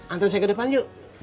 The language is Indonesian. antri saya ke depan yuk